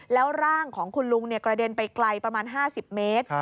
แล้วร่างของคุณลุงกระเด็นไปไกลประมาณ๕๐เมตร